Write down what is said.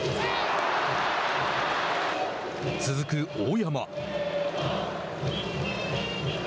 続く大山。